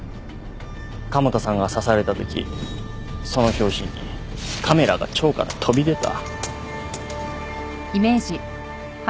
加茂田さんが刺されたときその拍子にカメラが腸から飛び出た。